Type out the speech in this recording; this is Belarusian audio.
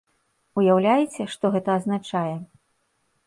Уяўляеце, што гэта азначае?